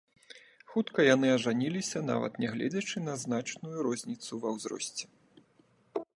Хутка яны ажаніліся нават нягледзячы на значную розніцу ва ўзросце.